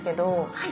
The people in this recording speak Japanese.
はい。